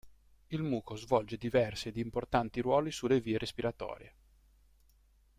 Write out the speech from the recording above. Il muco svolge diversi ed importanti ruoli sulle vie respiratorie.